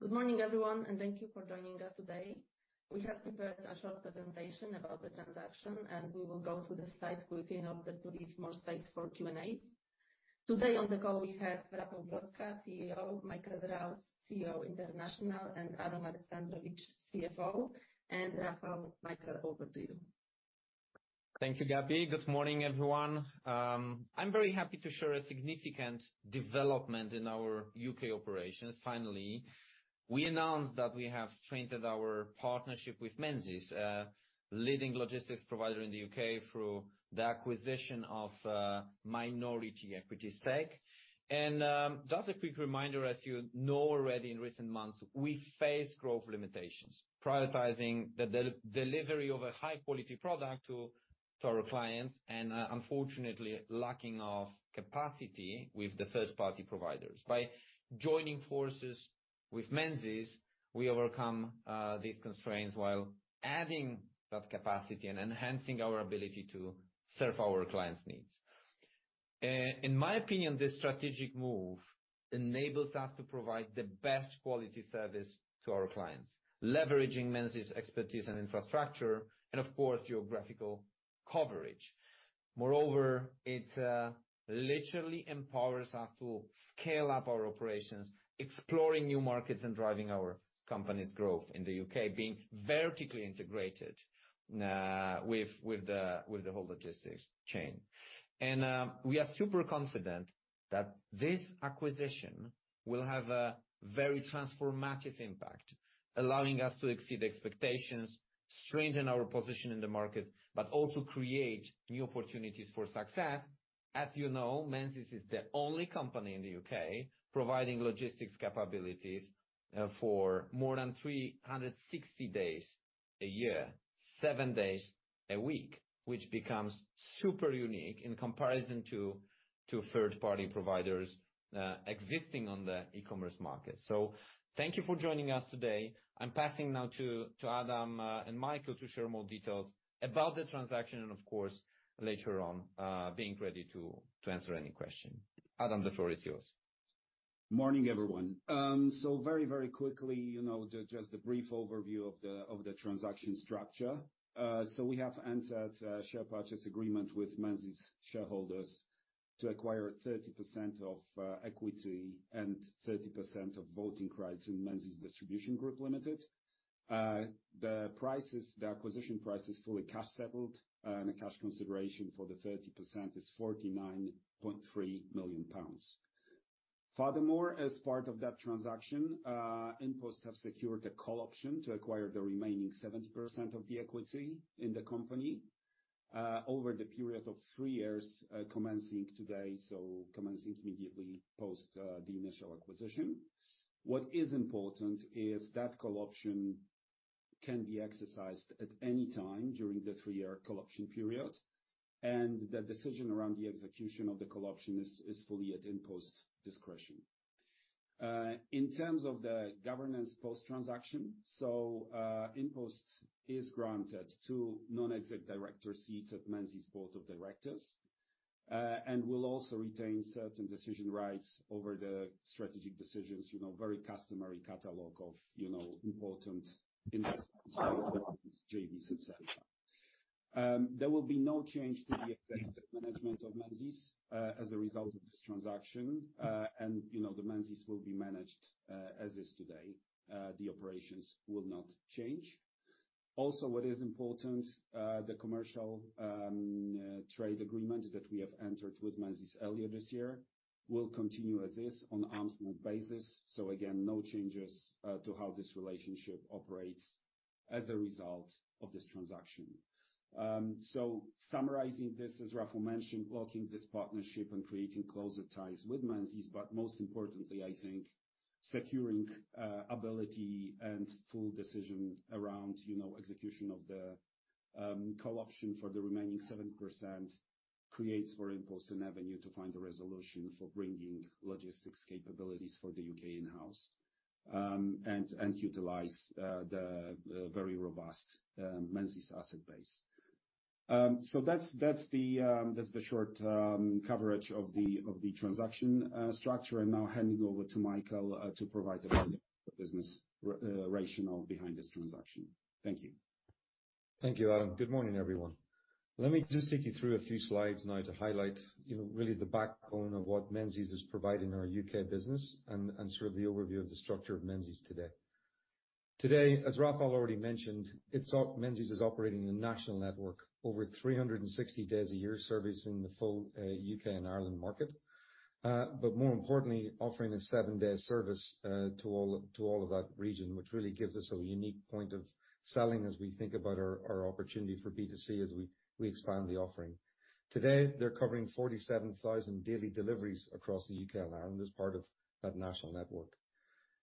Good morning, everyone, and thank you for joining us today. We have prepared a short presentation about the transaction, and we will go through the slides quickly in order to leave more slides for Q&A. Today, on the call, we have Rafał Brzoska, CEO, Michael Rouse, CEO International, and Adam Aleksandrowicz, CFO. Rafał, Michael, over to you. Thank you, Gabby. Good morning, everyone. I'm very happy to share a significant development in our UK operations, finally. We announced that we have strengthened our partnership with Menzies, a leading logistics provider in the UK, through the acquisition of a minority equity stake. Just a quick reminder, as you know already, in recent months, we faced growth limitations, prioritizing the delivery of a high-quality product to our clients and, unfortunately, lacking of capacity with the first-party providers. By joining forces with Menzies, we overcome these constraints while adding that capacity and enhancing our ability to serve our clients' needs. In my opinion, this strategic move enables us to provide the best quality service to our clients, leveraging Menzies' expertise and infrastructure, and of course, geographical coverage. Moreover, it literally empowers us to scale up our operations, exploring new markets and driving our company's growth in the U.K., being vertically integrated with the whole logistics chain. We are super confident that this acquisition will have a very transformative impact, allowing us to exceed expectations, strengthen our position in the market, but also create new opportunities for success. As you know, Menzies is the only company in the U.K. providing logistics capabilities for more than 360 days a year, 7 days a week, which becomes super unique in comparison to third-party providers existing on the e-commerce market. Thank you for joining us today. I'm passing now to Adam and Michael to share more details about the transaction and, of course, later on, being ready to answer any question. Adam, the floor is yours. Morning, everyone. Very, very quickly, just a brief overview of the transaction structure. We have entered a share purchase agreement with Menzies shareholders to acquire 30% of equity and 30% of voting rights in Menzies Distribution Group Limited. The acquisition price is fully cash-settled, and the cash consideration for the 30% is 49.3 million pounds. Furthermore, as part of that transaction, InPost have secured a call option to acquire the remaining 70% of the equity in the company, over the period of 3 years, commencing today, so commencing immediately post the initial acquisition. What is important is that call option can be exercised at any time during the 3-year call option period, and the decision around the execution of the call option is fully at InPost's discretion. In terms of the governance post-transaction, InPost is granted 2 non-exec director seats at Menzies' board of directors, and will also retain certain decision rights over the strategic decisions, very customary catalog of, important investments, JVs, et cetera. There will be no change to the effective management of Menzies as a result of this transaction, and, the Menzies will be managed as is today. The operations will not change. Also, what is important, the commercial trade agreement that we have entered with Menzies earlier this year will continue as is on an arm's length basis, again, no changes to how this relationship operates as a result of this transaction. Summarizing this, as Rafał mentioned, blocking this partnership and creating closer ties with Menzies, but most importantly, I think securing ability and full decision around, execution of the call option for the remaining 7% creates for InPost an avenue to find a resolution for bringing logistics capabilities for the UK in-house, and utilize the very robust Menzies asset base. That's the short coverage of the transaction structure. I'm now handing over to Michael, to provide the business rationale behind this transaction. Thank you. Thank you, Adam. Good morning, everyone. Let me just take you through a few slides now to highlight, really the backbone of what Menzies is providing our UK business and sort of the overview of the structure of Menzies today. Today, as Rafał already mentioned, Menzies is operating a national network over 360 days a year, servicing the full UK and Ireland market, but more importantly, offering a seven-day service to all of that region, which really gives us a unique point of selling as we think about our opportunity for B2C as we expand the offering. Today, they're covering 47,000 daily deliveries across the UK and Ireland as part of that national network.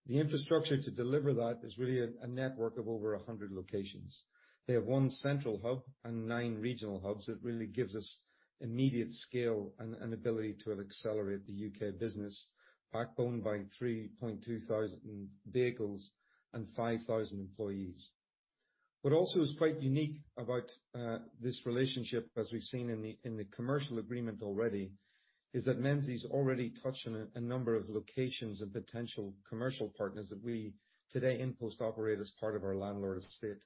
The infrastructure to deliver that is really a network of over 100 locations. They have one central hub and nine regional hubs that really gives us immediate scale and ability to accelerate the U.K. business, backbone by 3,200 vehicles and 5,000 employees. What also is quite unique about this relationship, as we've seen in the commercial agreement already, is that Menzies already touched on a number of locations and potential commercial partners that we today, InPost, operate as part of our landlord estate.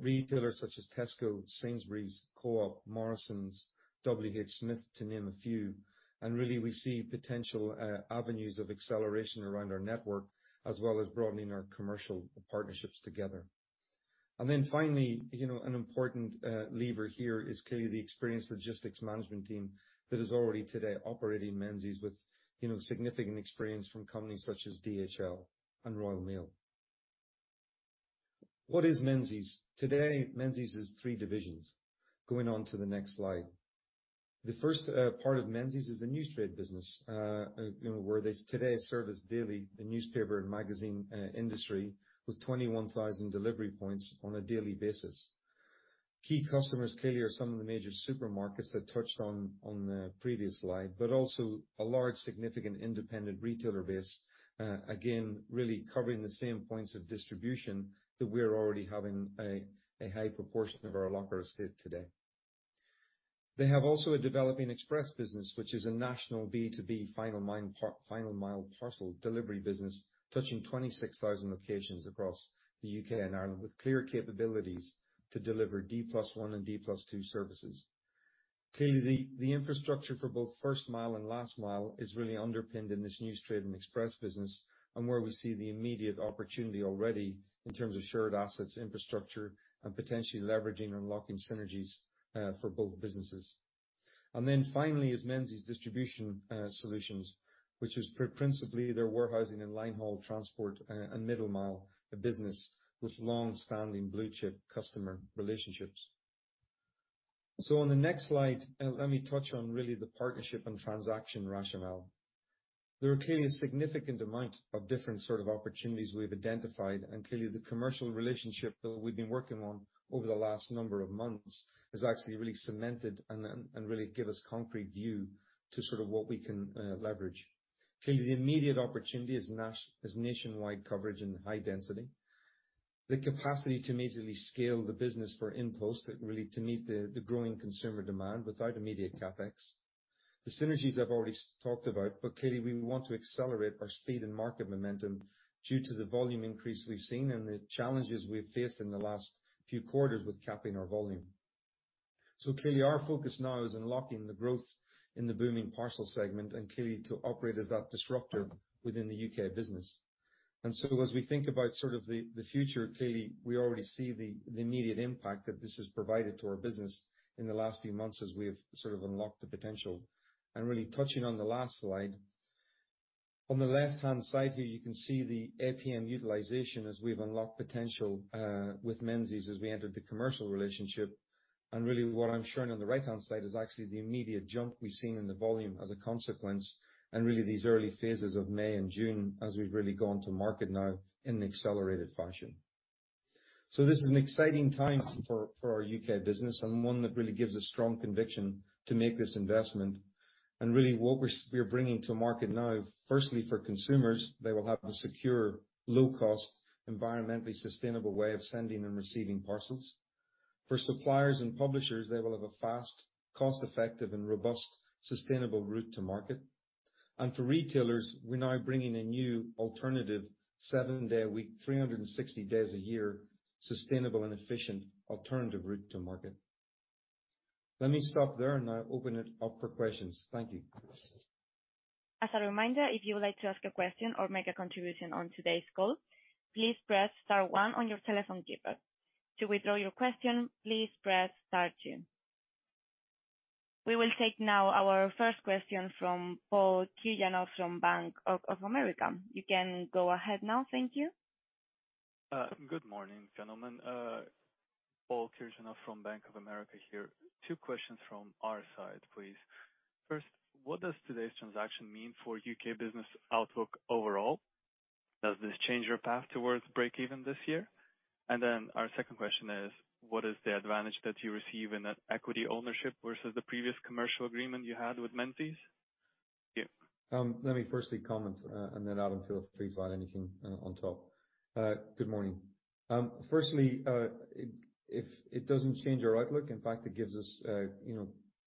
Retailers such as Tesco, Sainsbury's, Co-op, Morrisons, WHSmith, to name a few. Really, we see potential avenues of acceleration around our network, as well as broadening our commercial partnerships together. Finally, an important lever here is clearly the experienced logistics management team that is already today operating Menzies with, significant experience from companies such as DHL and Royal Mail. What is Menzies? Today, Menzies is 3 divisions. Going on to the next slide. The first part of Menzies is the newstrade business, where they today service daily the newspaper and magazine industry with 21,000 delivery points on a daily basis. Key customers clearly are some of the major supermarkets that touched on the previous slide, but also a large, significant independent retailer base, again, really covering the same points of distribution that we're already having a high proportion of our locker estate today. They have also a developing express business, which is a national B2B final mile parcel delivery business, touching 26,000 locations across the UK and Ireland, with clear capabilities to deliver D+1 and D+2 services. Clearly, the infrastructure for both first mile and last mile is really underpinned in this newstrade and express business. Where we see the immediate opportunity already in terms of shared assets, infrastructure, and potentially leveraging and locking synergies for both businesses. Finally, is Menzies Distribution Solutions, which is principally their warehousing and line haul transport and middle mile business with long-standing blue chip customer relationships. On the next slide, let me touch on really the partnership and transaction rationale. There are clearly a significant amount of different sort of opportunities we've identified. Clearly, the commercial relationship that we've been working on over the last number of months is actually really cemented and really give us concrete view to sort of what we can leverage. Clearly, the immediate opportunity is nationwide coverage and high density. The capacity to immediately scale the business for InPost, it really to meet the growing consumer demand without immediate CapEx. The synergies I've already talked about. Clearly, we want to accelerate our speed and market momentum due to the volume increase we've seen and the challenges we have faced in the last few quarters with capping our volume. Clearly, our focus now is on locking the growth in the booming parcel segment and clearly to operate as that disruptor within the U.K. business. As we think about sort of the future, clearly we already see the immediate impact that this has provided to our business in the last few months, as we have sort of unlocked the potential. Really touching on the last slide, on the left-hand side here, you can see the APM utilization as we've unlocked potential with Menzies as we entered the commercial relationship. Really, what I'm showing on the right-hand side is actually the immediate jump we've seen in the volume as a consequence, and really these early phases of May and June, as we've really gone to market now in an accelerated fashion. This is an exciting time for our UK business and one that really gives us strong conviction to make this investment. Really, what we're bringing to market now, firstly, for consumers, they will have a secure, low cost, environmentally sustainable way of sending and receiving parcels. For suppliers and publishers, they will have a fast, cost effective, and robust, sustainable route to market. For retailers, we're now bringing a new alternative seven-day-a-week, 360 days a year, sustainable and efficient alternative route to market. Let me stop there and now open it up for questions. Thank you. As a reminder, if you would like to ask a question or make a contribution on today's call, please press star one on your telephone keypad. To withdraw your question, please press star two. We will take now our first question from Muneeba Kayani from Bank of America. You can go ahead now. Thank you. Good morning, gentlemen. Muneeba Kayani from Bank of America here. 2 questions from our side, please. First, what does today's transaction mean for UK business outlook overall? Does this change your path towards break even this year? Our second question is, what is the advantage that you receive in an equity ownership versus the previous commercial agreement you had with Menzies? Thank you. Let me firstly comment, and then, Adam, feel free to add anything on top. Good morning. Firstly, if it doesn't change our outlook, in fact, it gives us,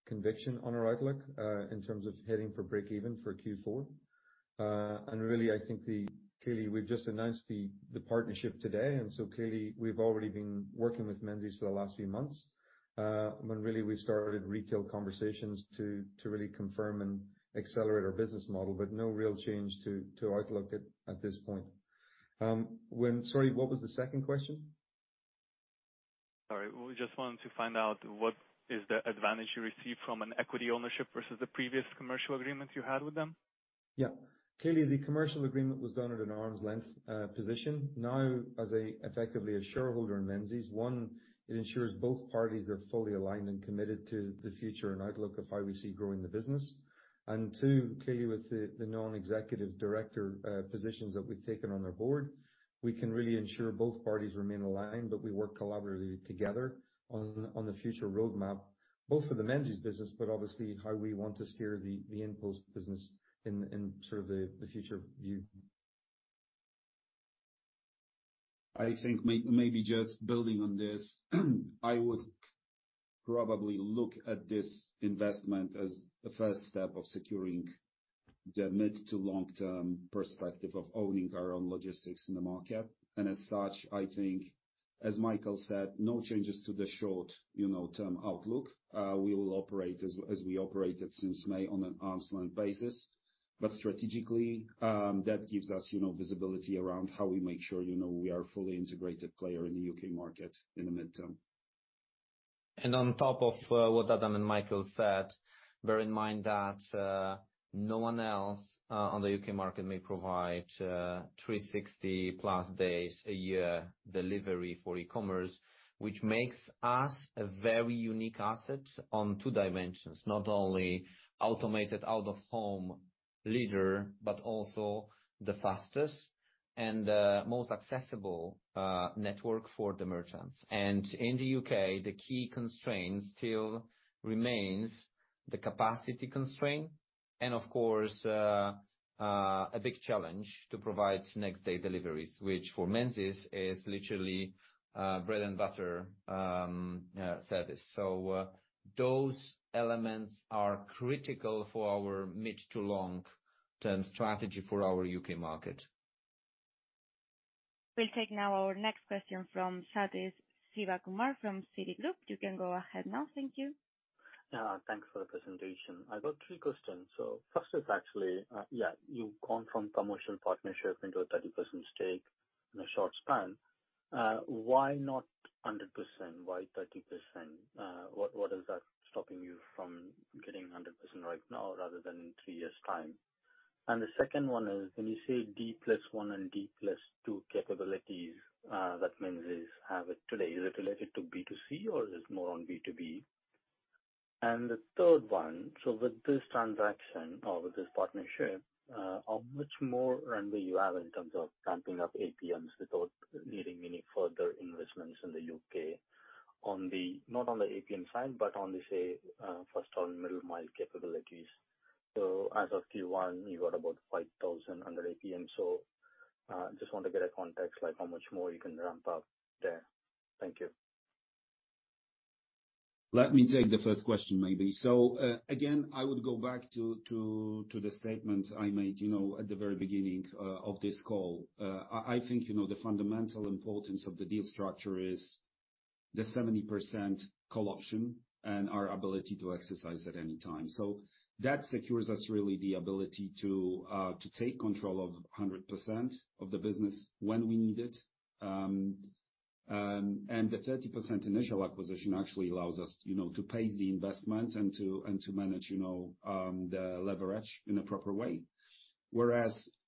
conviction on our outlook, in terms of heading for breakeven for Q4. Really, I think the... Clearly, we've just announced the partnership today, and so clearly we've already been working with Menzies for the last few months, when really we started retail conversations to really confirm and accelerate our business model, but no real change to outlook at this point. When-- Sorry, what was the second question? Sorry, we just wanted to find out what is the advantage you receive from an equity ownership versus the previous commercial agreement you had with them? Yeah. Clearly, the commercial agreement was done at an arm's length position. Now, as effectively a shareholder in Menzies, one, it ensures both parties are fully aligned and committed to the future and outlook of how we see growing the business. Two, clearly with the non-executive director positions that we've taken on their board, we can really ensure both parties remain aligned, but we work collaboratively together on the future roadmap, both for the Menzies business, but obviously how we want to steer the InPost business in sort of the future view. I think maybe just building on this, I would probably look at this investment as the first step of securing the mid to long-term perspective of owning our own logistics in the market. As such, I think, as Michael said, no changes to the short, term outlook. We will operate as we operated since May on an arm's length basis. Strategically, that gives us, visibility around how we make sure, we are a fully integrated player in the U.K. market in the midterm. On top of what Adam and Michael said, bear in mind that no one else on the UK market may provide 360+ days a year delivery for e-commerce, which makes us a very unique asset on two dimensions, not only automated out-of-home leader, but also the fastest and most accessible network for the merchants. In the UK, the key constraint still remains the capacity constraint, and of course, a big challenge to provide next-day deliveries, which for Menzies is literally bread and butter service. Those elements are critical for our mid to long-term strategy for our UK market. We'll take now our next question from Sathish Sivakumar from Citigroup. You can go ahead now. Thank you. Thanks for the presentation. I've got three questions. First is actually, yeah, you've gone from promotional partnership into a 30% stake in a short span. Why not 100%? Why 30%? What is that stopping you from getting 100% right now, rather than in 3 years' time? The second one is, when you say D+1 and D+2 capabilities, that means is have it today, is it related to B2C or is this more on B2B? The third one, with this transaction or with this partnership, how much more runway you have in terms of ramping up APMs without needing any further investments in the U.K. not on the APM side, but on the, say, first or middle-mile capabilities? As of Q1, you got about 5,000 under APM. Just want to get a context, like how much more you can ramp up there. Thank you. Let me take the first question, maybe. Again, I would go back to the statement I made, at the very beginning of this call. I think, the fundamental importance of the deal structure is the 70% call option and our ability to exercise at any time. That secures us, really, the ability to take control of 100% of the business when we need it. The 30% initial acquisition actually allows us, to pace the investment and to manage, the leverage in a proper way.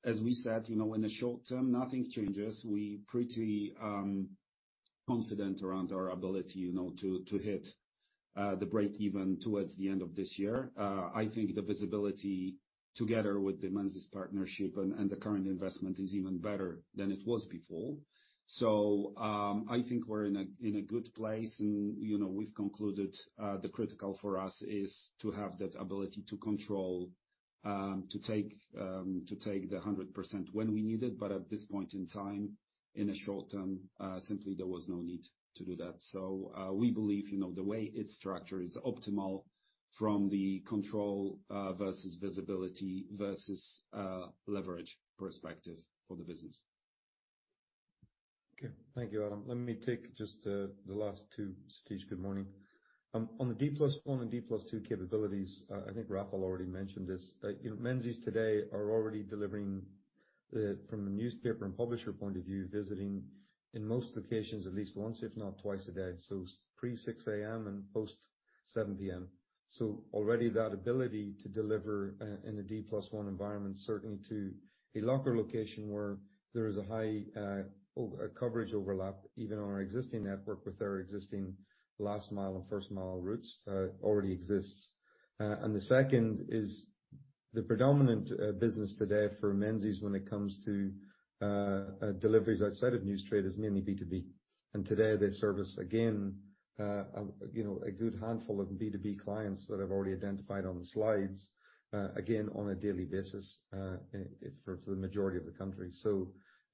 As we said, in the short term, nothing changes. We pretty confident around our ability, to hit the break even towards the end of this year. I think the visibility together with the Menzies partnership and the current investment is even better than it was before. I think we're in a, in a good place and, we've concluded, the critical for us is to have that ability to control, to take the 100% when we need it. But at this point in time, in the short term, simply there was no need to do that. We believe, the way it's structured is optimal from the control versus visibility versus leverage perspective for the business. Okay. Thank you, Adam. Let me take just the last two. Sathish, good morning. On the D+1 and D+2 capabilities, I think Rafał already mentioned this. Menzies today are already delivering from a newspaper and publisher point of view, visiting in most locations at least once, if not twice a day. Pre-6:00 A.M. and post-7:00 P.M. Already that ability to deliver in a D+1 environment, certainly to a locker location where there is a high coverage overlap, even on our existing network with our existing last mile and first mile routes, already exists. The second is the predominant business today for Menzies when it comes to deliveries outside of news traders, mainly B2B. Today, they service again, a good handful of B2B clients that I've already identified on the slides, again, on a daily basis, for the majority of the country.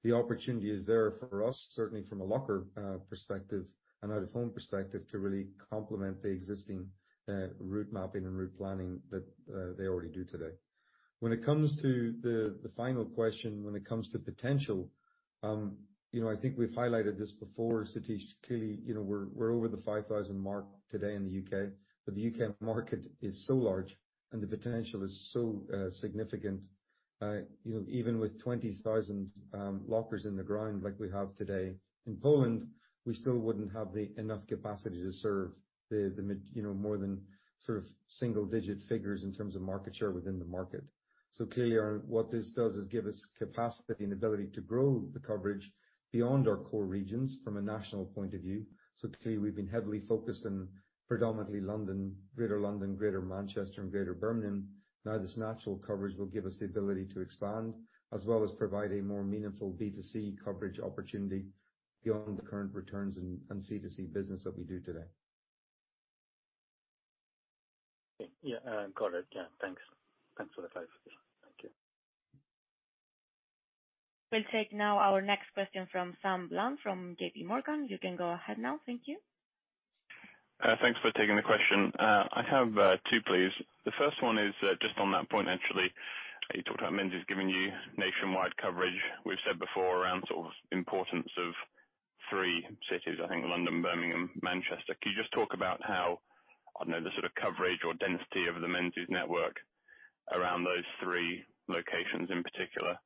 The opportunity is there for us, certainly from a locker, perspective and out-of-home perspective, to really complement the existing, route mapping and route planning that, they already do today. When it comes to the final question, when it comes to potential, I think we've highlighted this before, Sathish. Clearly, we're over the 5,000 mark today in the U.K. The U.K. market is so large, and the potential is so significant, even with 20,000 lockers in the ground like we have today in Poland, we still wouldn't have the enough capacity to serve, more than sort of single-digit figures in terms of market share within the market. Clearly, our, what this does is give us capacity and ability to grow the coverage beyond our core regions from a national point of view. Clearly, we've been heavily focused in predominantly London, Greater London, Greater Manchester and Greater Birmingham. Now, this natural coverage will give us the ability to expand, as well as provide a more meaningful B2C coverage opportunity beyond the current returns and C2C business that we do today. Yeah, got it. Yeah, thanks. Thanks for the clarification. Thank you. We'll take now our next question from Sam Bland, from JP Morgan. You can go ahead now. Thank you. Thanks for taking the question. I have two, please. The first one is just on that point, actually. You talked about Menzies giving you nationwide coverage. We've said before around sort of importance of three cities, I think, London, Birmingham, Manchester. Can you just talk about how, I don't know, the sort of coverage or density of the Menzies network around those three locations in particular?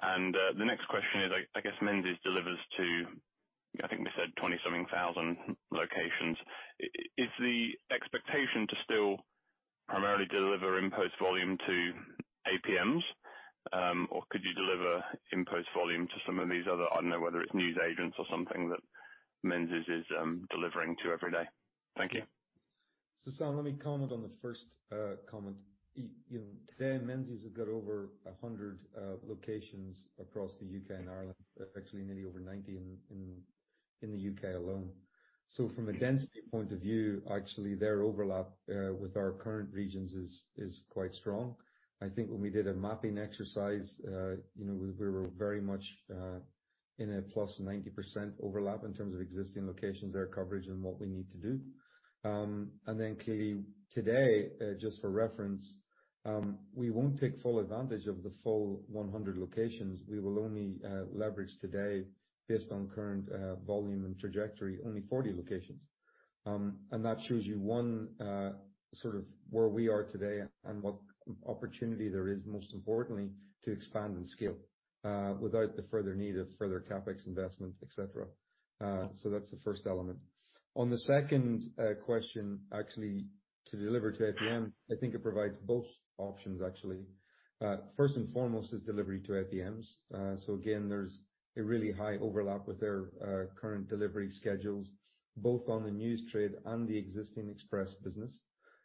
The next question is, I guess, Menzies delivers to, I think we said 20 something thousand locations. Is the expectation to still primarily deliver InPost volume to APMs, or could you deliver InPost volume to some of these other, I don't know, whether it's news agents or something that Menzies is delivering to every day? Thank you. Sam, let me comment on the first comment. Today, Menzies has got over 100 locations across the UK and Ireland. Actually, nearly over 90 in the UK alone. From a density point of view, actually, their overlap with our current regions is quite strong. I think when we did a mapping exercise, we were very much in a +90% overlap in terms of existing locations, their coverage, and what we need to do. Clearly, today, just for reference, we won't take full advantage of the full 100 locations. We will only leverage today, based on current volume and trajectory, only 40 locations. That shows you one, sort of where we are today and what opportunity there is, most importantly, to expand and scale, without the further need of further CapEx investment, et cetera. That's the first element. On the second, question, actually, to deliver to APM, I think it provides both options, actually. First and foremost, is delivery to APMs. Again, there's a really high overlap with their, current delivery schedules, both on the newstrade and the existing express business.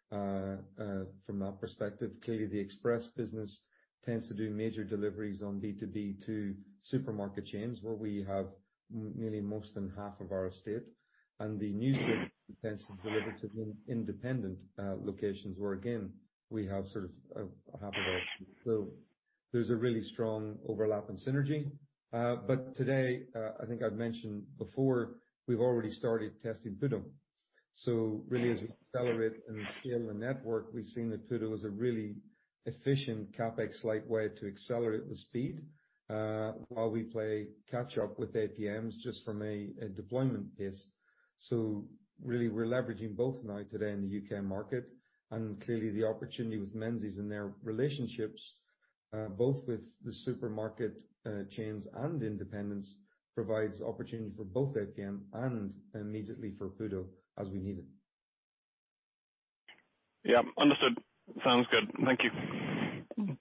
From that perspective, clearly, the express business tends to do major deliveries on B2B to supermarket chains, where we have nearly more than half of our estate. The news tends to deliver to independent, locations, where again, we have sort of, half of our flow. There's a really strong overlap and synergy. Today, I think I've mentioned before, we've already started testing PUDO. Really, as we accelerate and scale the network, we've seen that PUDO is a really efficient, CapEx-light way to accelerate the speed, while we play catch up with APMs just from a deployment base. Really, we're leveraging both now today in the U.K. market, and clearly, the opportunity with Menzies and their relationships, both with the supermarket, chains and independents, provides opportunity for both APM and immediately for PUDO as we need it. Yeah, understood. Sounds good. Thank you.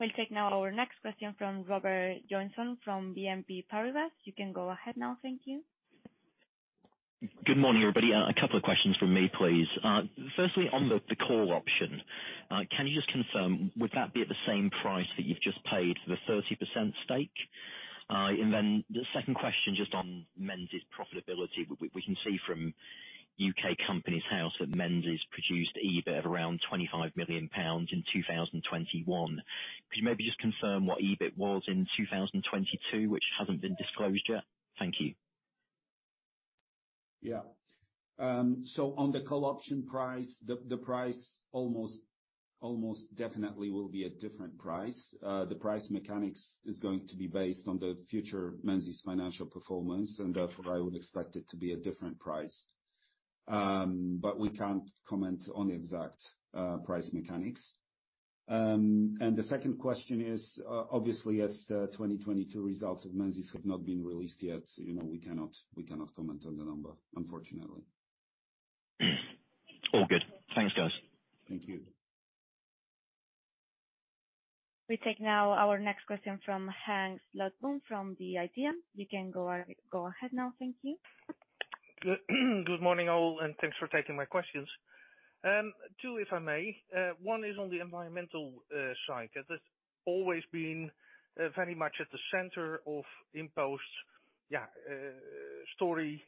We'll take now our next question from Robert Joynson from BNP Paribas. You can go ahead now. Thank you. Good morning, everybody. A couple of questions from me, please. Firstly, on the call option, can you just confirm, would that be at the same price that you've just paid for the 30% stake? The second question, just on Menzies profitability. We can see from UK Companies House, that Menzies produced EBIT of around 25 million pounds in 2021. Could you maybe just confirm what EBIT was in 2022, which hasn't been disclosed yet? Thank you. Yeah. On the call option price, the price almost definitely will be a different price. The price mechanics is going to be based on the future Menzies financial performance, and therefore, I would expect it to be a different price. We can't comment on the exact price mechanics. The second question is, obviously, as 2022 results of Menzies have not been released yet, we cannot comment on the number, unfortunately. All good. Thanks, guys. Thank you. We take now our next question from Henk Slotboom, from The IDEA. You can go ahead now. Thank you. Good morning, all, and thanks for taking my questions. two, if I may. One is on the environmental side, as it's always been very much at the center of InPost, yeah, story,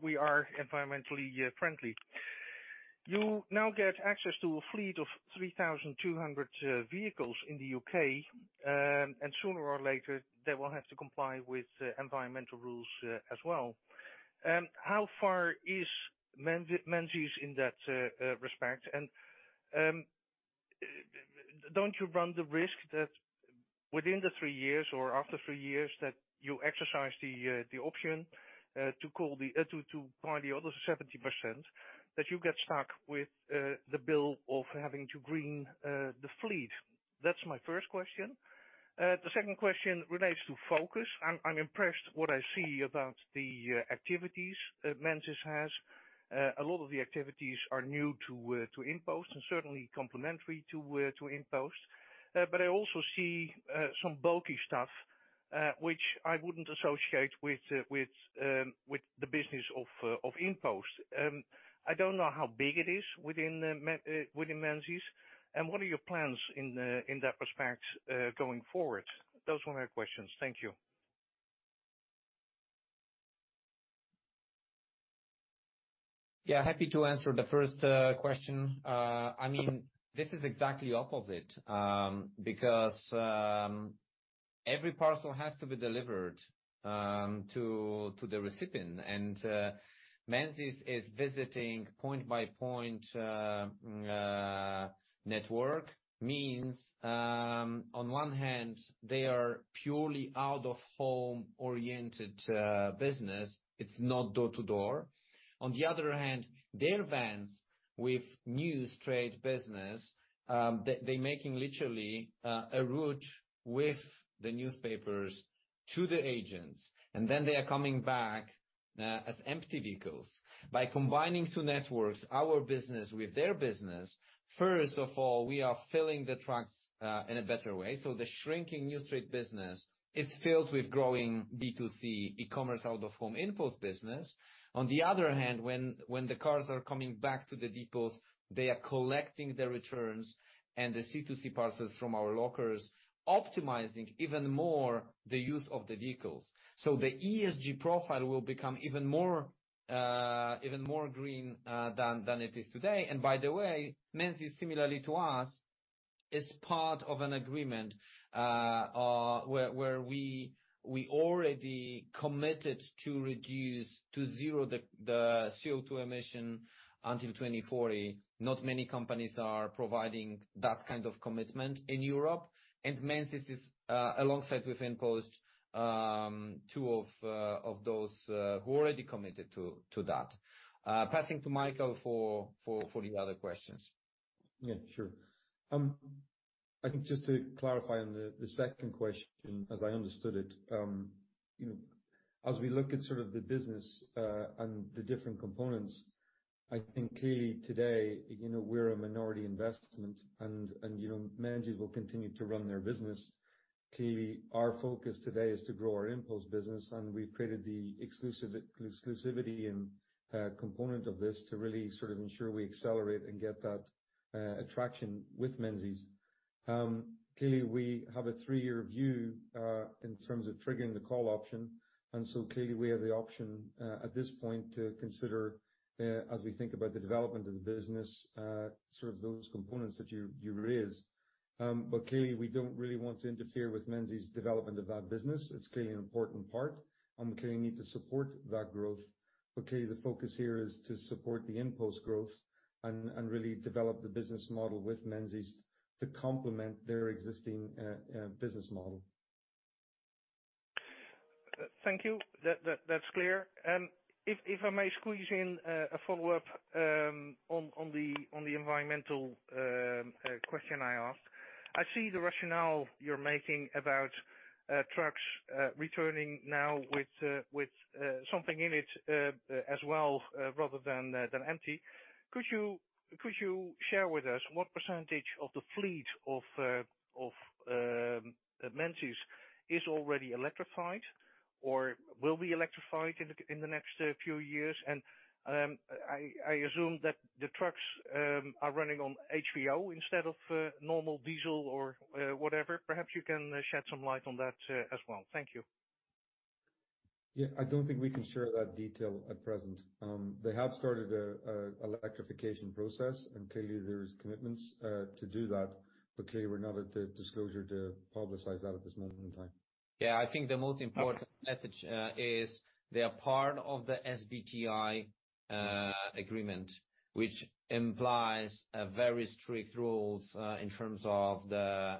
we are environmentally friendly. You now get access to a fleet of 3,200 vehicles in the UK, and sooner or later, they will have to comply with the environmental rules as well. How far is Menzies in that respect? Don't you run the risk that within the three years or after three years, that you exercise the option to buy the other 70%, that you get stuck with the bill of having to green the fleet? That's my first question. The second question relates to focus. I'm impressed what I see about the activities that Menzies has. A lot of the activities are new to InPost, and certainly complementary to InPost. I also see some bulky stuff, which I wouldn't associate with the business of InPost. I don't know how big it is within Menzies, and what are your plans in that respect going forward? Those were my questions. Thank you. Yeah, happy to answer the first question. I mean, this is exactly opposite because every parcel has to be delivered to the recipient. Menzies is visiting point by point network, means, on one hand, they are purely out-of-home oriented business. It's not door-to-door. On the other hand, their vans with news trade business, they making literally a route with the newspapers to the agents, and then they are coming back as empty vehicles. By combining two networks, our business with their business, first of all, we are filling the trucks in a better way. The shrinking news trade business is filled with growing B2C e-commerce, out-of-home InPost business. On the other hand, when the cars are coming back to the depots, they are collecting the returns and the C2C parcels from our lockers, optimizing even more the use of the vehicles. The ESG profile will become even more green than it is today. By the way, Menzies, similarly to us, is part of an agreement where we already committed to reduce to zero the CO2 emission until 2040. Not many companies are providing that kind of commitment in Europe, and Menzies is alongside with InPost, two of those who already committed to that. Passing to Michael for the other questions. Yeah, sure. I think just to clarify on the second question, as I understood it, as we look at sort of the business and the different components, I think clearly today, we're a minority investment, and, Menzies will continue to run their business. Clearly, our focus today is to grow our InPost business, and we've created the exclusivity and component of this to really sort of ensure we accelerate and get that attraction with Menzies. Clearly, we have a three-year view in terms of triggering the call option, clearly we have the option at this point to consider as we think about the development of the business, sort of those components that you raised. Clearly, we don't really want to interfere with Menzies development of that business. It's clearly an important part, and we clearly need to support that growth. Clearly, the focus here is to support the InPost growth and really develop the business model with Menzies to complement their existing business model. Thank you. That's clear. If I may squeeze in a follow-up on the environmental question I asked. I see the rationale you're making about trucks returning now with something in it as well, rather than empty. Could you share with us what % of the fleet of Menzies is already electrified or will be electrified in the next few years? I assume that the trucks are running on HVO instead of normal diesel or whatever. Perhaps you can shed some light on that as well. Thank you. Yeah, I don't think we can share that detail at present. They have started a electrification process. Clearly there's commitments to do that, but clearly we're not at the disclosure to publicize that at this moment in time. Yeah, I think the most important message, is they are part of the SBTi agreement, which implies a very strict rules, in terms of the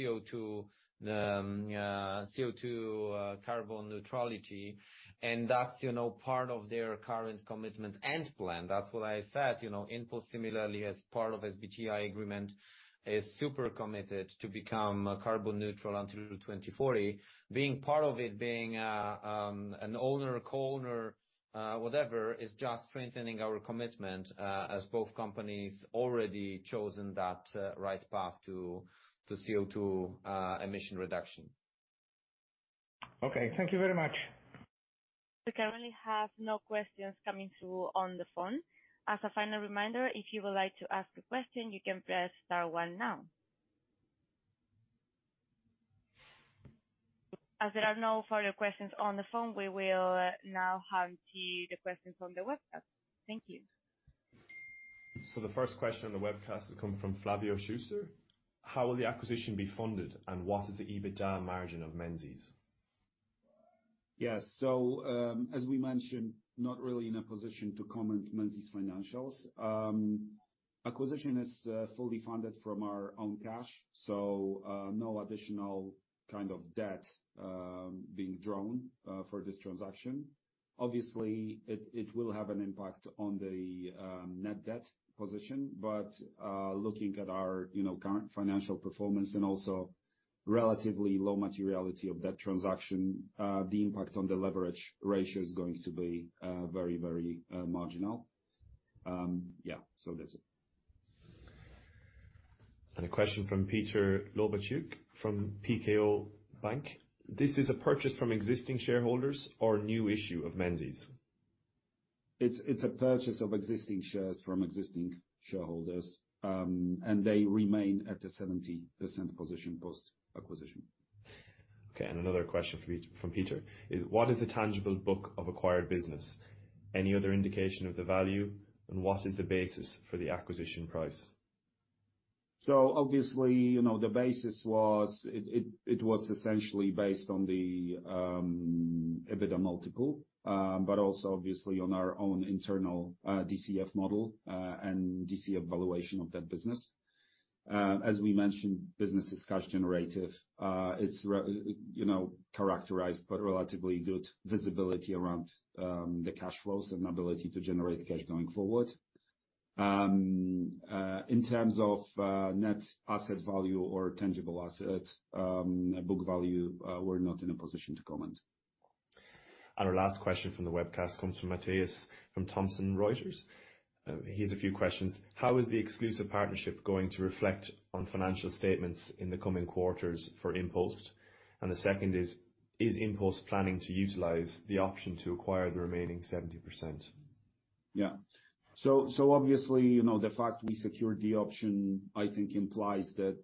CO2, the CO2 carbon neutrality. That's, part of their current commitment and plan. That's what I said. You know, InPost, similarly, as part of SBTi agreement, is super committed to become carbon neutral until 2040. Being part of it, being an owner, a co-owner, whatever, is just strengthening our commitment, as both companies already chosen that right path to CO2 emission reduction. Okay. Thank you very much. We currently have no questions coming through on the phone. As a final reminder, if you would like to ask a question, you can press star one now. There are no further questions on the phone, we will now hand to you the questions on the webcast. Thank you. The first question on the webcast has come from Flavio Schuster: How will the acquisition be funded, and what is the EBITDA margin of Menzies? Yes. As we mentioned, not really in a position to comment Menzies financials. Acquisition is fully funded from our own cash, no additional kind of debt being drawn for this transaction. It will have an impact on the net debt position, looking at our, current financial performance and also relatively low materiality of that transaction, the impact on the leverage ratio is going to be very, very marginal. That's it. A question from Piotr Łopaciuk from PKO Bank: This is a purchase from existing shareholders or a new issue of Menzies? It's a purchase of existing shares from existing shareholders. They remain at a 70% position post-acquisition. Another question from each, from Peter, is: What is the tangible book of acquired business? Any other indication of the value, and what is the basis for the acquisition price? Obviously, the basis was, it was essentially based on the EBITDA multiple, but also obviously on our own internal DCF model and DCF evaluation of that business. As we mentioned, business is cash generative. It's, characterized by relatively good visibility around the cash flows and ability to generate cash going forward. In terms of net asset value or tangible asset book value, we're not in a position to comment. Our last question from the webcast comes from Matthias, from Thomson Reuters. He has a few questions. How is the exclusive partnership going to reflect on financial statements in the coming quarters for InPost? The second is InPost planning to utilize the option to acquire the remaining 70%? Yeah. obviously, the fact we secured the option, I think, implies that,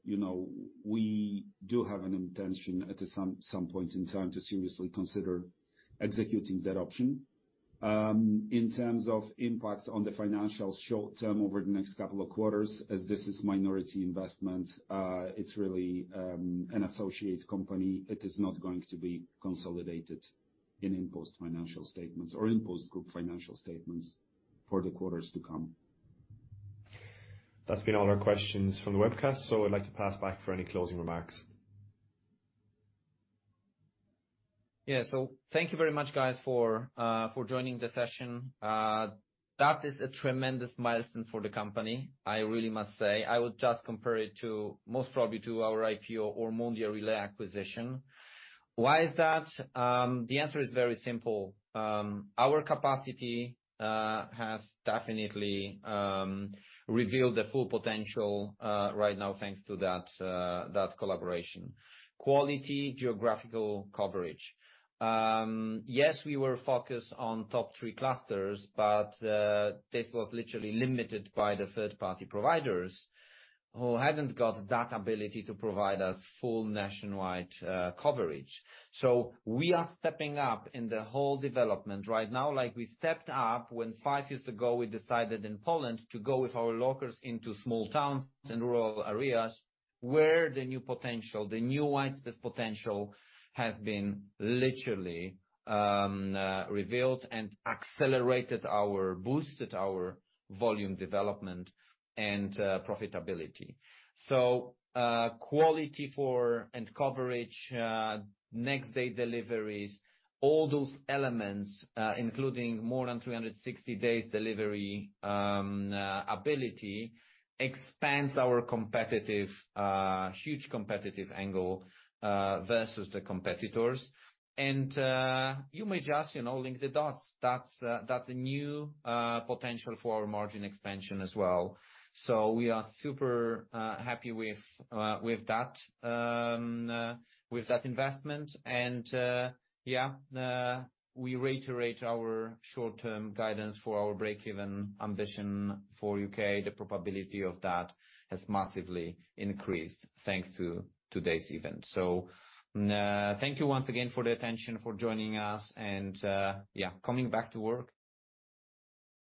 we do have an intention at some point in time to seriously consider executing that option. In terms of impact on the financials short term, over the next couple of quarters, as this is minority investment, it's really an associate company. It is not going to be consolidated in InPost financial statements or InPost group financial statements for the quarters to come. That's been all our questions from the webcast, so I'd like to pass back for any closing remarks. Yeah. Thank you very much, guys, for joining the session. That is a tremendous milestone for the company, I really must say. I would just compare it to, most probably to our IPO or Mondial Relay acquisition. Why is that? The answer is very simple. Our capacity has definitely revealed the full potential right now, thanks to that collaboration. Quality, geographical coverage. Yes, we were focused on top three clusters, but this was literally limited by the third-party providers, who hadn't got that ability to provide us full nationwide coverage. We are stepping up in the whole development right now, like we stepped up when 5 years ago, we decided in Poland to go with our lockers into small towns and rural areas, where the new potential, the new wide space potential, has been literally revealed and accelerated our boosted our volume development and profitability. Quality for and coverage, next day deliveries, all those elements, including more than 360 days delivery ability, expands our competitive huge competitive angle versus the competitors. You may just, link the dots. That's a new potential for our margin expansion as well. We are super happy with that investment. Yeah, we reiterate our short-term guidance for our break-even ambition for UK. The probability of that has massively increased, thanks to today's event. Thank you once again for the attention, for joining us, and, yeah, coming back to work.